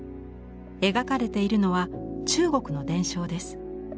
描かれているのは中国の伝承です。